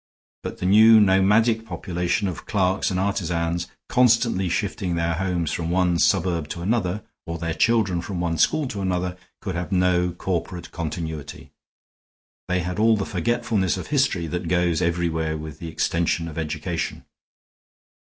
But the new nomadic population of clerks and artisans, constantly shifting their homes from one suburb to another, or their children from one school to another, could have no corporate continuity. They had all that forgetfulness of history that goes everywhere with the extension of education.